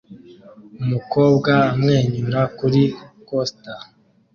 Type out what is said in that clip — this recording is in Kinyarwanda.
Umukobwa amwenyura kuri coaster